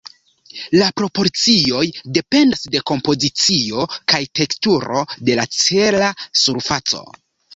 La proporcioj dependas de kompozicio kaj teksturo de la cela surfaco.